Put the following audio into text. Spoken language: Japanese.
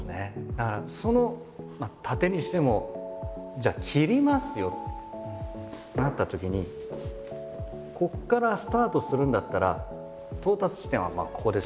だからその殺陣にしてもじゃあ斬りますよってなったときにここからスタートするんだったら到達地点はまあここですよね。